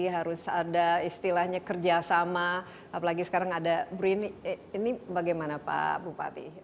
harus ada istilahnya kerjasama apalagi sekarang ada brin ini bagaimana pak bupati